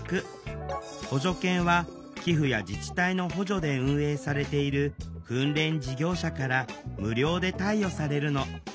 補助犬は寄付や自治体の補助で運営されている訓練事業者から無料で貸与されるの。